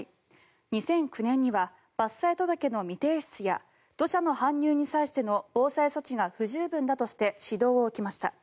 ２００９年には伐採届の未提出や土砂の搬入に際しての防災措置が不十分だとして指導を受けました。